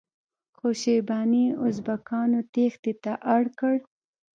خو شیباني ازبکانو تیښتې ته اړ کړ.